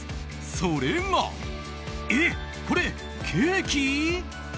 それがえ、これ、ケーキ？